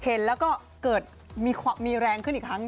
เห็นแล้วก็เกิดมีแรงขึ้นอีกครั้ง